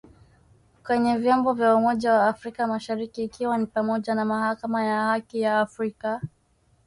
Kwenye vyombo vya umoja wa Afrika mashariki ikiwa ni pamoja na Mahakama ya Haki ya Afrika